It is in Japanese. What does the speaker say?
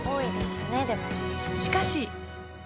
しかし。